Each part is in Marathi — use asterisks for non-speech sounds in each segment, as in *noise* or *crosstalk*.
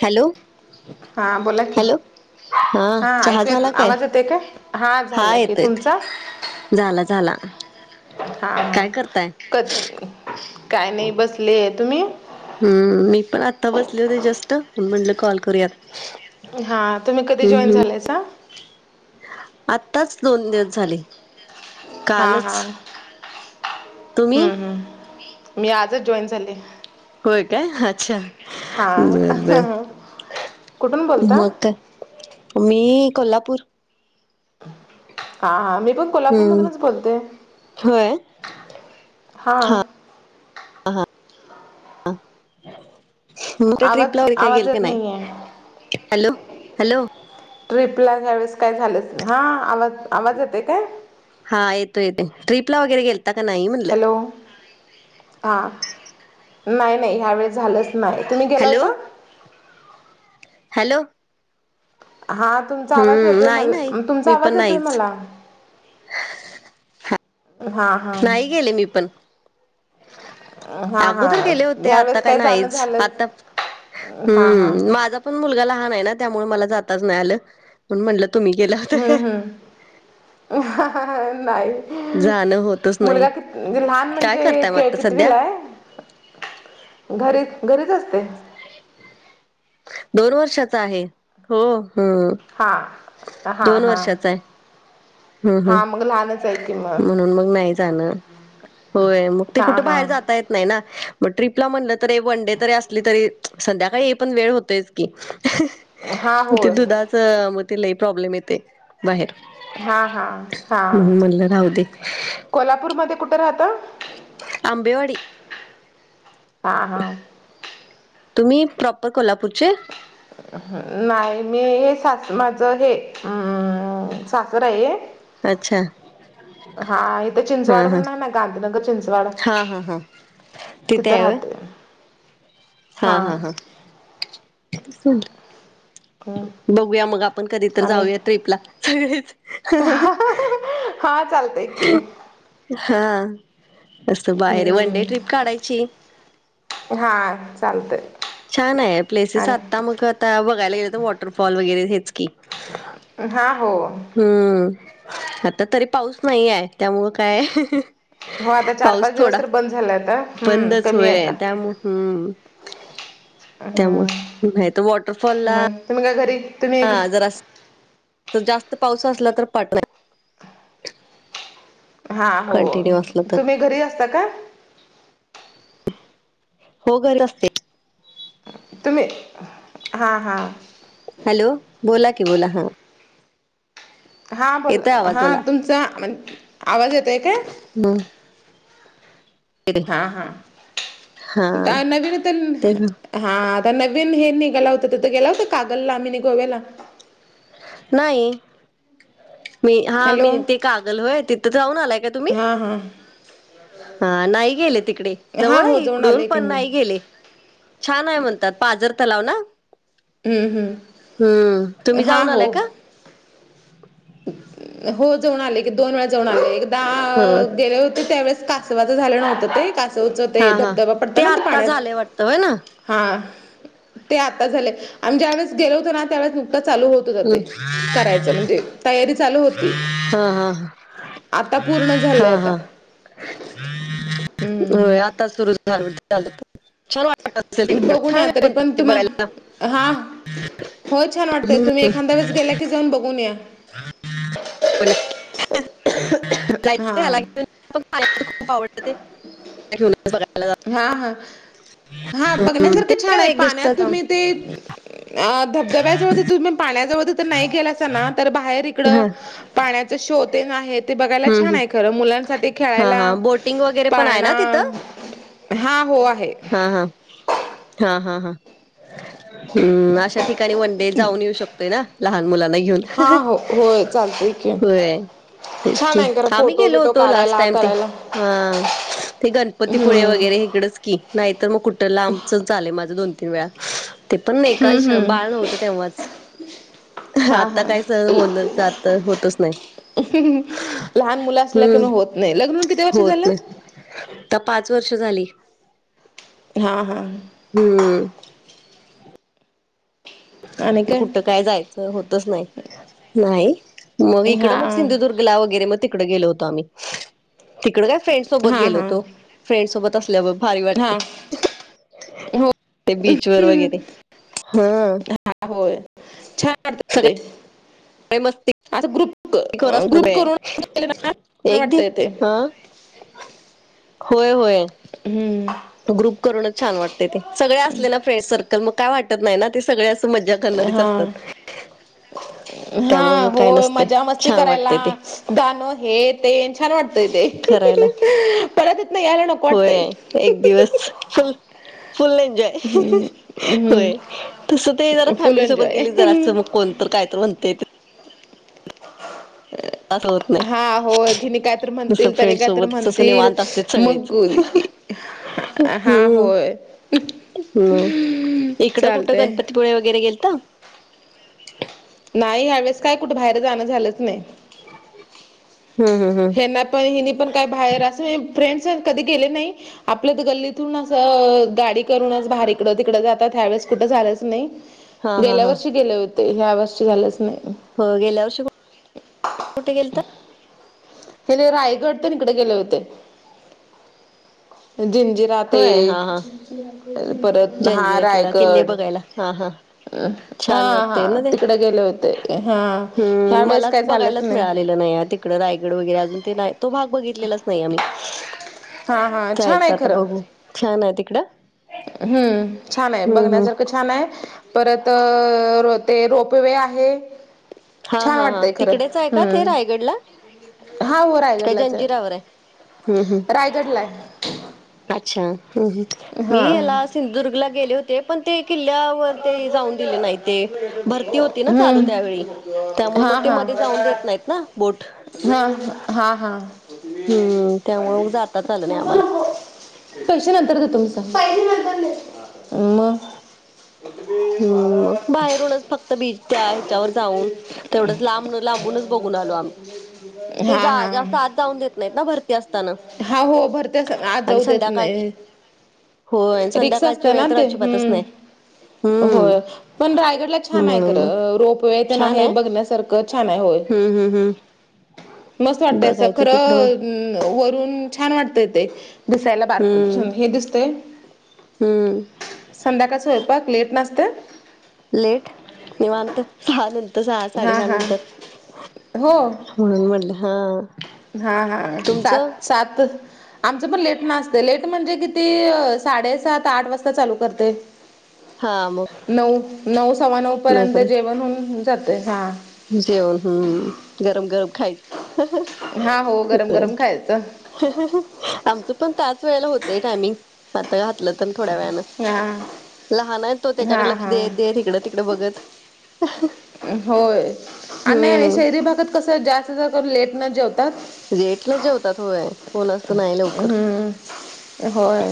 हॅलो हा बोला कि हॅलो हा चहा ऐकूयात झाला काय आवाज येत आहे का हा झाला की तुमचा झाला झाला हा हा काय करताय क काय नाही बसले आहे तुम्ही हम्म मी पण आता बसले होते जस्ट म्हटलं कॉल करूयात हा तुम्ही कधी जॉईन झालायसा आताच दोन दिवस झाले हा कालच हा तुम्ही हम्म हम्म मी आजच जॉईन झाले होय काय अच्छा हा बद कुठून बोलता मग काय मी कोल्हापूर हा मी पण हम्म कोल्हापूरमधूनच बोलते होय हा मग ते आवाज ट्रिपला व काय आवाज गेल काी येत नाही आहे हॅलो हॅलो ट्र्रीपला घ्यावेळेस काय झालंच हां आवाज आवाज येते काय हा येतो येते ट्रीप ला वगैरे गेल हॅलो हा नाही नाही ह्या वेळेस झालंच नाही, तुम्ही गेला हॅलो होता? हॅलो? हा तुमचा आवाज हम्म येतोय नाही मल नाही तुमचा मी पण आवाज येतोय नाहीच मला हा हा नाही गेले मी पण. हा हा अगोदर केले होते, आता ह्यावेेळेस काय जाणं नाहीच झालंच आता हा हा हम्म माझा पण मुलगा लहान आहे ना त्यामुळे मला जाताच नाही आलंण म्हणलं तु् गेला होता हम्म काय हम्म नाही जाणं होतच नाही मुलगा क लहान काय करताय मग म्हणजे आता सध्या कितवीलाय घरीच घरीच असते दोन वर्षाचा आहे, हो. ह. हा हा- हा. हम्म हा हम्म मग लहानच आहे की मग म्हणून मग नाही जाणं, होय मग ते हा कुठे हा बाहेर जाता येत नाही ना मग ट्रिपला म्हणलं तरी वनडे तरी असली तरी संध्याकाळी येई पर्यंत वेळ होतोयच की. हा मग ते होय दुधाच मग ते लई प्रॉब्लेम येते बाहेर. हा- हा -हा. म्हणून म्हणलं राहू दे कोल्हापूरमध्ये कुठं राहत? आंबेवाडी. हा हा. तुम्ही प्रॉपर कोल्हापूरचे? नाही मी हे सास माझं हे अ सासर आहे. अच्छा. हा इथे हा चिंचवड हा म्हणून आहे ना, गांधीनगर चिंचवड हा हां हां. तिथं राहते. हा हा हा. हम्म बघूया मग आपण कधी तर आणि जाऊया ट्रिपला, सगळेच हां चाल हा मस्त बाहेर वन डे ट्रिप हम्म काढायची हा चालतंय छान आहे प्लेसेस आत्ता आणि मग आता बघायला गेले तर वॉटरफॉल वगैरे हेच की हा हो. हम्म आता तरी पाऊस नाही आहे त्यामुळं काय हो आता चार पाऊस पाच दिवस थोडा, तर बंद झालं आता हम्म बंदच कमी आहे होय आता त्यामुळ हम्म हम्म त्यामुळे तर वॉटरफॉलला मग तुम्ही काय घरी? तुम्ही हा जर अस जास्त पाऊस असला तर पाठव हा हो, कंटिन्यू असला तर तुम्ही घरी असता का? हो घरी असते. तुम्ही हा हा हॅलो? बोला की, बोला हां हां बोल, आवाज हा मला तुमचा म्ह आवाज येतोयका? म. हा हा, हा का नवीन ते तर हा आता नवीन हे निघाला होतं तिथं गेला होता कागलला आम्ही गोव्याला नाही. मी हा हॅलो मी ते कागल होय तिथं जाऊन आलाय का तुम्ही? ह हां. हा नाही गेले तिकडे, हा जवळ हो आहे जाऊन इकडून, आले की पण मी नाही गेले. छान आहे म्हणतात, पाजर तलाव ना? हम्म हम्म हम्म. तुम्ही हा जाऊन हो आलाय का? हो जाऊन आले की, दोन वेळा जाऊन आले. ह दा गेले होते, त्यावेळेस कासवाचं झालं नव्हतं ते कास उचत हा हा धबधबा पडत ना ते आत्ता पाण्यात झालंय वाटतं होय ना हा ते आता झाले, आम्ही ज्या वेळेस गेलो होतो ना त्यावेळेस नुकतं चालू होत जातंय, करायचं म्हणजे तयारीच हा हा ह आता पूर्ण झालंय आता हम्म हो आता सुरु झा छान वाटत असेल त बघून या छान तरी म्हणतात पण ते तुम्हा बघायला हा हो छान वाटतय, तुम्ही एखाद्या वेळेस गेला की जाऊन बघून या ला *inaudible* हा पाण्या खूप आवडत तेे बघायला हा हा हा जातो. ते बघण्यासारखं छान आहे काय एक पाण्यात दिवसाचा तुम्ही ते अ धबधब्याजवळ तुम्ही पाण्याजवळ तर नाही गेला अस ना तर बाहेर हा इकडं पाण्याच शोतेण आहे ते बघायला हम्म, छान हम्म. आहे खरं मुलांसाठी हा खेळायला हा बोटिंग वगैरे पण आहे पाळणा ना तिथं हा हो आहे. हा हा हा हा हा हम्म अशा ठिकाणी वन डे जाऊन येऊ शकतोय ना लहान मुलांना घेऊन हा हो होय चालतय, होय. तेच कि आम्ही गेलो बिटो होतो लास्ट काढायला टाइम ते करायला. हा ते गणपतीपुळे हम्म वगैरे इकडच की नाही तर मग कुठे लांबच चालेय माझं दोन तीन वेळा ते पण नाही हम्म एका हम्म बाळणव्हतं तेव्हाच हा आता हा. काय स हो आता होतच नाही. लहान मुलं असल्या कि हम्म होत नाही लग्न किती वर्ष होत झालं? नाही आता पाच वर्ष झाली. हां हां हम्म कुठ काय जायचं होतच नाही, नाही मग इकडं हा मग सिंधुदुर्ग ला वगैरे मग तिकड गेलो होतो आम्ही तिकड काय फ्रेंड सोबत हा गेलो हा. होतो. फ्रेंड सोबत असल्यावर भारी हा वाटते. हो ते बीच वर हम्म. वगैरे हा हा होय छान वाटत ते सगळे मस्तीखोर आ ग्रुप असतात ग्रुप ते करून एक वाटत दिव य ते हा होय होय. हम्म ग्रुप करूनच छान वाटते ते सगळे असले ना फ्रेंड सर्कल मग काय वाटत नाही ना ते सगळे असं मज्जा करणारीच हा असतात. हा त्यामुळे मग काय होय, नसते मजा मस्ती छान करायला. वाटते ते दानो हे तेन छान वाटतय ते करायला परत इथनं यायला नको होय, वाटतंय एक दिवस फ फुल एन्जॉय हम्म. हम्म. होय, तसं ते जरा फुल फॅमिली सोबत एन्जॉय गेली जरा असं मग कोण तर काय तर म्हणते, असं होत नाही हा हो हयांनी कायत जसं म्हणतील तनी फ्रेंड काहीत सोबत तसं म्हणतील निवांत असते सगळेच मग हा हम्म होय. हम् इकडं कुठं चालतंय गणपतीपुळे वगैरे गेलत नाही यावेेळेस काय कुठे बाहेर जाणं झालंच नाही. हम्म हम्म हम्म त्यांना पण हिनी पण काय बाहेर असं फ्रेंडस कधी गेले नाही. आपल्या गल्लीतून असं गाडी करूनच बाहेरकडं तिकडं जातात. ह्या वेेळेस कुठं झालंच नाही हा हा गेल्या हा वर्षी गेले होते ह्या वर्षी झालंच नाही. हो गेल्या वर्षी कुठे गेल तर ह्या नी रायगड तर इकडे गेले होते जिंज जे होय हा हा परत हा जंजिरा किल्ला किल्ले रायकड बघायला हा हा हा छान हा वाटते ना ते तिकडे गेले होते हा ह्या वेळेस काय झालंच नाही इड रायगड वगैरे अजून ते नाही तो भाग बघितलेलाच नाही आम्ही हा हा छान आहे जायचं आता खरं बघू छान आहे तिकडं हम्म छान आहे हम्म हम्म बघण्यासारखं छान आहे परत ते रोप वे आहे. हा छान हा हा वाटतय खरं तिकडेच आहे का ते रायगडला हम्म हा हो काय रायगडलाच आहे. जंजिरावर हम्म हम्म रायगड लाय अच्छा ह मी हा याला सिंधुदुर्गला गेले होते पण ते किल्ल्यावर ते जाऊन दिले नाही ते भरती होती ना चालू हम्म त्यावेळी म हा मग ते हा मध्ये जाऊन देत नाहीत ना बोट हा हा हा हम्म त्यामुळं मग जाताच आलं नाही आम्हाला *unintelligible* हम्म हम्म मग बाहेरूनच फक्त बीच त्या हिच्यावर जाऊन तेवढंच लांब लांबूनच बघून आलो आम्ही *unintelligible* ते हा जा हा जास्त आज जाऊन देत नाहीत ना भरती असताना हा हो भरती असतान आत आणि जाऊ देत संध्याकाळची नाही होय आणि रिक्षा असत संध्याकाळच्या वेळ ना तर ते अजिबातच नाही हम्म हो हम्म पण रायगडला छान आहे म्हणून मग खं रोपवेथ नाही आहे बघण्यासारखं छान आहे होय हम्म हम्म हम्म. मस्त वाटतय असं बघायचं तिकडं मग. खरं वरून छान वाटतय ते दिसायला बारक हम्म हे दिसतय हम्म संध्याकास हो *inaudible* लेट मी मानत सहा नंतर सहा हा साडेसहा हा नंतर हो म्हणून म्हटलं हा हा हा तुमचं सात सात आमचं पण लेट नसते लेट म्हणजे किती साडेसात आठ वाजता चालू करते हा मग नऊ नऊ सव्वा नऊ पर्यंत नऊपर्यंत जेवण होउन जातंय हा जेवण हम्म गरम गरम खायच हा हो गरम गरम खायचं आमचं पण त्याच वेळेला होतय टायमिंग आता घातलं तर थोड्या वेानं हा लहान आहेत तो हा त्याच्याकडे लक्ष देत हा. देत तिकडं तिकडं बघत होय आणि नाही हम्म शहरी भागात कसं जास्त जा कर लेट न जेवतात म्हणजेटलं जेवतात होय कोण असं नाही लवकर हम्म होय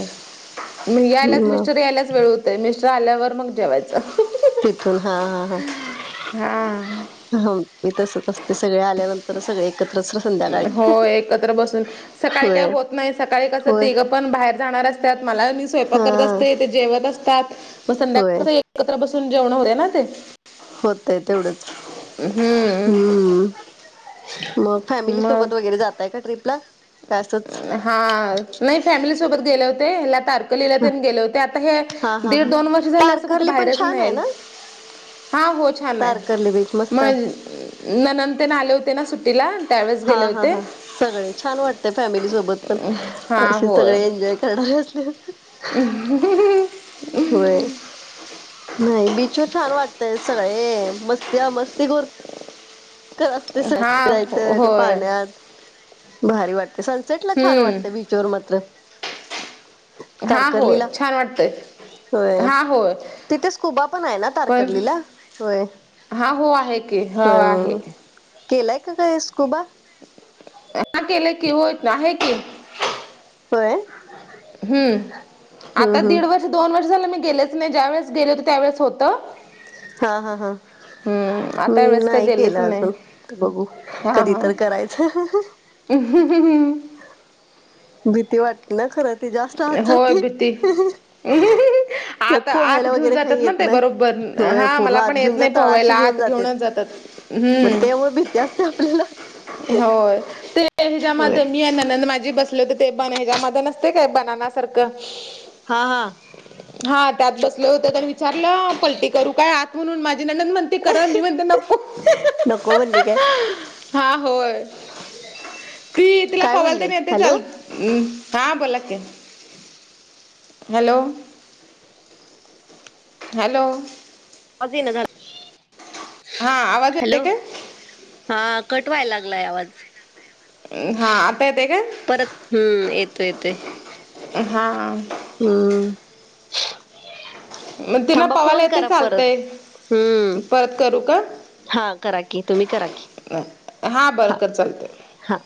म यायलाच मग मिस्टरी यायलाच वेळ हो ते मिस्टर आल्यावर मग जेवायचं तिथून हा हा हा हा हा मी तसच असते सगळे आल्यानंतर सगळे एकत्रच रते हो एकत्र बसून सकाळी काय होय होत नाही सकाळी कस होय तीघ पण बाहेर जाणार मला म स्वय करत हा असते ते जेवत असतात म होय संध्याकाळ *inaudible* होतय तेवढंच हम्म. मग फॅमिली मग सोबत वगैरे जातय का ट्र्रीपला काय असंच. हा हा नाही फॅमिली सोबत गेले होते तार कलीला गेल होते आता हे हा हा दीड हा दोन वर्ष झालं असं कुठे तारकर्ली पण बाहेरच छान आहे नाहील. ना हां हो छान आहे तारकर्ली बीच मस्त आहे मग ननंद तेन आले होते ना सुट्टीला त्यावेळेस हा गेले हा होते. हा सगळे छान वाटत फॅमिली सोबत पण हा असे होय सगळे एन्जॉय करणारे असले तर. *inaudible* होय, नाही बीचवर छान वाटतय सगळे ए मस्ता मस्ती खोर. तेव्हाच ते हा सगळं जायचं ते होय पाण्यात भारी वाटत. ते सनसेट ला छान वाटत हम्म बीचवर मात्र हा होय तारकर्लीला छान वाटतय. होय तिथे स्कुबा पण आहे ना पण तारकर्लीला होय. हा हो आहे की हो होय आहे. होय. केलाय का कायसकुबा *inaudible* हा केले कि होत नाही आहे की होय. हम्म, आता हम्म दीड हम्म वर्ष दोन वर्ष झालं मी गेलेच नाही ज्यावेेळेस गेले होते त्यावेळेस होतं. हा, हा, हा. हम्म आता मी वेळेस का नाही गेलेच केलं नाही अजून बघू हा कधी हा तर करायचं. *inaudible* भीती वाटते ना खरं ती जास्त आत होय जातय. भीती आत त्यात आत पोहायला घेऊन वगैरे जातात काही ना येत ते नाही. बरोबर होय हा पूर्ण मला पण आत येत घेऊन नाही जात तळाशी पोहायला घेऊन आत जातेत. घेऊनच जातात मग हम्म त्यामुळ भीती असते आपल्याला. होय, ते होय तेंच्यामध्ये मी आणि नणंद माझी बसतोय. ते बन हेच्यामध्ये नसते काय बनानासारखं हा, हा. हा त्यात बसले होते त्यांनी विचारलं पलटी करू काय आत. म्हणून माझी ननंद म्हणते करा मी म्हणते नको नको म्हणले काय *inaudible* हा होय. *inaudible* ती तिला काय पवाल म्हणले तेन येतंय हॅलो चाल हम्म, हां बोला की *inaudible* हॅलो. हॅलो. आवाज येईना झाला हा आवाज येतोय हॅलो काय? हा कट वाय लागलाय आवाज. हा आता येते काय *inaudible* परत हम्म येतोय येतोय. हा. हम्म. मग तिनं थांबा पवायला फोन येते करा परत चालतंय हम्म. परत करू का *inaudible* हा करा की. तुम्ही करा की हा. बरं कर चालतंय हा